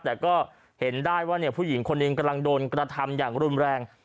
แต่ก็เห็นได้ว่าผู้หญิงคนหนึ่งกำลังโดนกระทำอย่างรุนแรง